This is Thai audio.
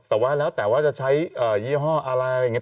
แต่ว่าแล้วแต่ว่าจะใช้ยี่ห้ออะไรอะไรอย่างนี้